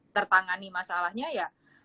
tertangani masalahnya ya